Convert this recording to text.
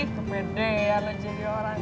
kebedean lu jadi orang